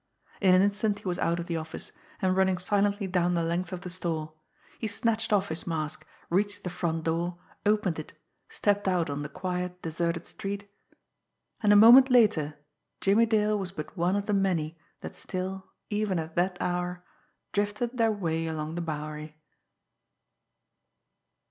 In an instant he was out of the office, and running silently down the length of the store. He snatched off his mask, reached the front door, opened it, stepped out on the quiet, deserted street and a moment later Jimmie Dale was but one of the many that still, even at that hour, drifted their way along the Bowery.